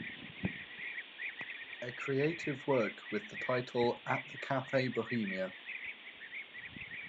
Acreative work with the title At the Cafe Bohemia